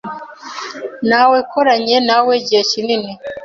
Nawekoranye nawe igihe kinini.